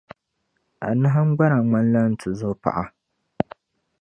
Anahingbana ŋmanla n-tizo paɣa.